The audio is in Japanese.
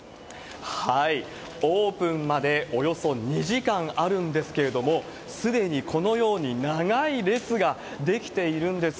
オープンまでおよそ２時間あるんですけれども、すでにこのように、長い列が出来ているんです。